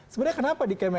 sebenarnya kenapa di kemenang